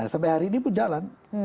sampai hari ini pun jalan